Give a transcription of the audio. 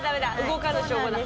動かぬ証拠だ。